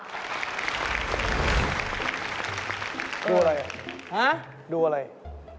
ฮะดูอะไรหรือหนะป๊ายวะ